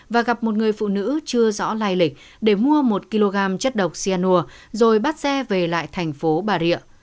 và gặp một người phụ nữ chưa rõ lai lịch để mua một kg chất độc xe nùa rồi bắt xe về lại tp bà rịa